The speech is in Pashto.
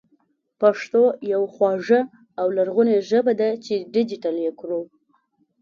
پښتو يوه خواږه او لرغونې ژبه ده چې ډېجېټل يې کړو